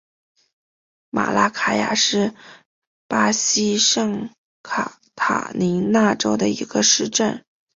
马拉卡雅是巴西圣卡塔琳娜州的一个市镇。